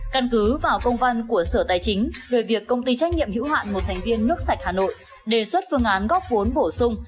căn cứ vào công văn của sở tài chính về việc công ty trách nhiệm hữu hạn một thành viên nước sạch hà nội đề xuất phương án góp vốn bổ sung